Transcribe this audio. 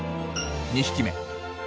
２匹目。